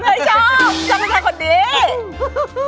เฮ้ยชอบชอบใครกันดี